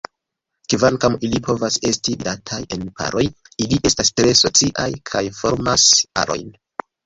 Kvankam ili povas esti vidataj en paroj, ili estas tre sociaj kaj formas arojn.